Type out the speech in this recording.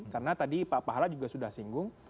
karena tadi pak pahala juga sudah singgung